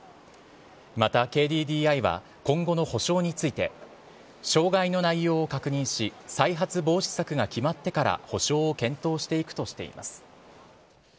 また、ＫＤＤＩは今後の補償について、障害の内容を確認し、再発防止策が決まってから補償を検討していくとしています。